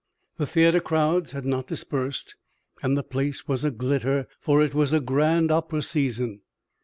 The theatre crowds had not dispersed, and the place was a glitter; for it was the grand opera season.